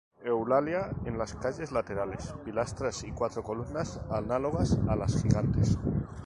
Eulalia en las calles laterales, pilastras y cuatro columnas, análogas a las gigantes.